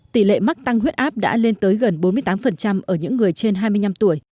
tỷ lệ mắc tăng huyết áp đã lên tới gần bốn mươi tám ở những người trên hai mươi năm tuổi